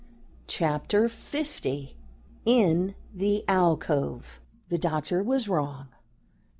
CHAPTER L IN THE ALCOVE THE doctor was wrong.